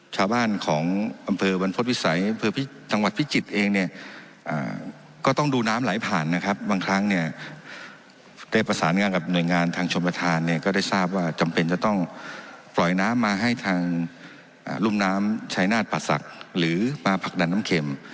ชาวบ้านของอำเภอบรรพฤษวิสัยจังหวัดพิจิตรเองเนี่ยก็ต้องดูน้ำไหลผ่านนะครับบางครั้งเนี่ยได้ประสานงานกับหน่วยงานทางชมประธานเนี่ยก็ได้ทราบว่าจำเป็นจะต้องปล่อยน้ำมาให้ทางรุ่มน้ำชายนาฏป่าศักดิ์หรือมาผลักดันน้ำเข็ม